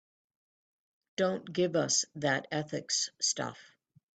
Don't give us that ethics stuff.